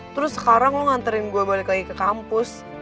terus sekarang lo nganterin gue balik lagi ke kampus